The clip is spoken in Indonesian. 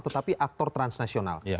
tetapi aktor transnasional